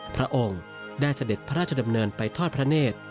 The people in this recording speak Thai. พระองค์ได้เสด็จพระราชดำเนินไปทอดพระเนธ